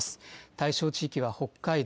対象地域は北海道。